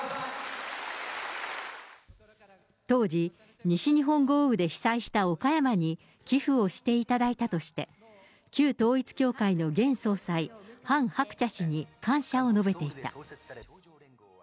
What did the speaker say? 当時、西日本豪雨で被災した岡山に寄付をしていただいたとして、旧統一教会の現総裁、ハン・ハクチャ氏に感謝を述べていた。